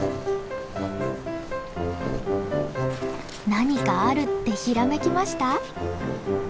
何かあるってひらめきました？